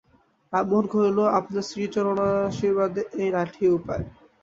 রামমোহন কহিল, আপনার শ্রীচরণাশীর্বাদে এই লাঠিই উপায়।